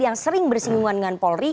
yang sering bersinggungan dengan polri